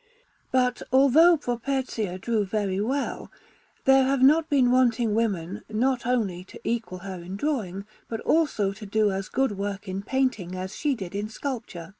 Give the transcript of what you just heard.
Petronio_) Alinari] But, although Properzia drew very well, there have not been wanting women not only to equal her in drawing, but also to do as good work in painting as she did in sculpture.